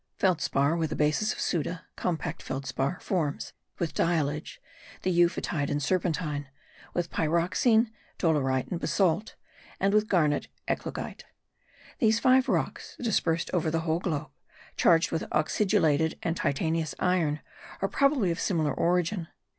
Feldspar with a basis of souda (compact feldspar) forms, with diallage, the euphotide and serpentine; with pyroxene, dolerite and basalt; and with garnet, eclogyte. These five rocks, dispersed over the whole globe, charged with oxidulated and titanious iron, are probably of similar origin.